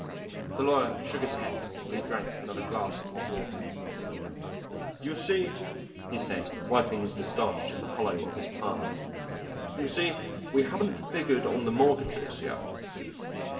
The lawyer shook his head while he drank another glass of hot water: "You see," he said, wiping his moustache in the hollow of his palm, "you see, we haven't figured on the mortgages yet."